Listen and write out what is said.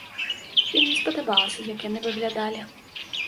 Ім не спадабалася, як яны выглядалі.